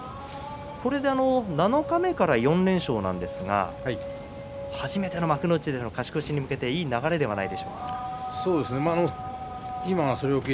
七日目から４連勝なんですが初めての幕内での勝ち越しに向けていい流れなのではないでしょうか。